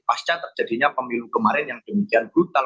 pasca terjadinya pemilu kemarin yang demikian brutal